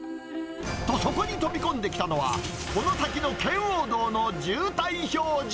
と、そこに飛び込んできたのは、この先の圏央道の渋滞表示。